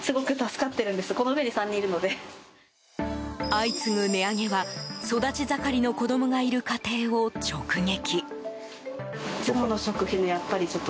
相次ぐ値上げは、育ち盛りの子供がいる家庭を直撃。